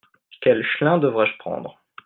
Quel chlin devrais-je prendre ?